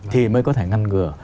thì mới có thể ngăn ngừa